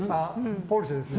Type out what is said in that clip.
ポルシェですね。